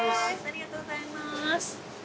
ありがとうございます。